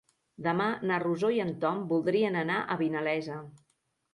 Demà na Rosó i en Tom voldrien anar a Vinalesa.